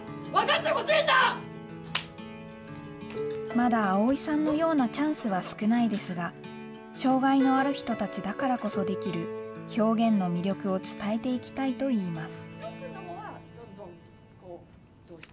まだ葵さんのようなチャンスは少ないですが、障害のある人たちだからこそできる表現の魅力を伝えていきたいといいます。